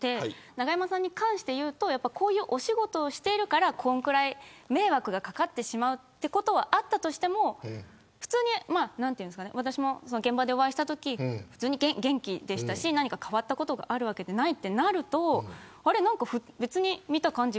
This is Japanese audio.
永山さんに関していうとこういうお仕事をしているからこのぐらい迷惑がかかってしまうということがあったとしても私も現場でお会いしたとき普通に元気でしたし何か変わったことがあるわけでないとなると別に見た感じ